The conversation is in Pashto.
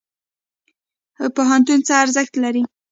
پوهنتون څه ارزښت لري؟